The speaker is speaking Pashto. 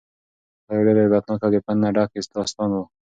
دا یو ډېر عبرتناک او د پند نه ډک داستان و.